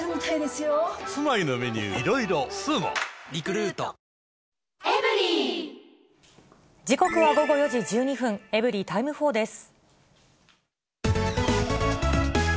ニトリ時刻は午後４時１２分、エブリィタイム４です。